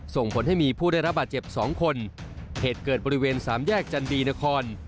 ส่งผลให้มีผู้ได้รับบาดเจ็บสองคนเหตุเกิดบริเวณสามแยกจันดีนคร